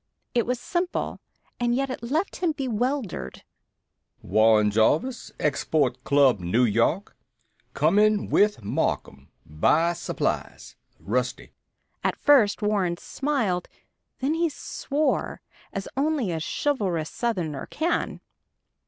It was simple, and yet it left him bewildered. "WARREN JARVIS, Export Club, N.Y. Coming with Marcum. Buy supplies. RUSTY." At first Warren smiled, then he swore, as only a chivalrous Southron can!